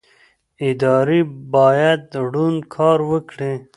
ادارې باید روڼ کار وکړي